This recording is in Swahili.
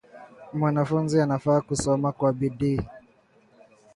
Mwanafunzi anafaa kusoma Kwa bidii.